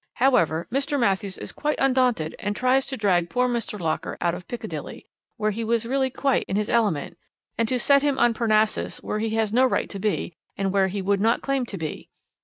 However, Mr. Matthews is quite undaunted and tries to drag poor Mr. Locker out of Piccadilly, where he was really quite in his element, and to set him on Parnassus where he has no right to be and where he would not claim to be.